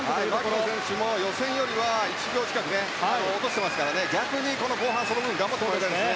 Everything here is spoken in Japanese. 牧野選手も予選より１秒近く落としてますから逆に後半、その分頑張ってもらいたいです。